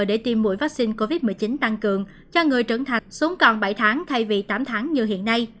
để tiêm mũi vaccine covid một mươi chín tăng cường cho người trở thành sống còn bảy tháng thay vì tám tháng như hiện nay